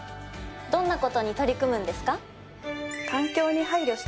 どんな事に取り組むんですか？